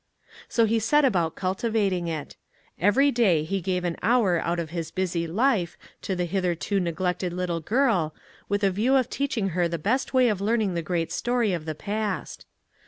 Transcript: So he set about cultivating it; every day he gave an hour out of his busy life to the hitherto neglected little girl, with a view to teaching her the best way of learning the great story of the past.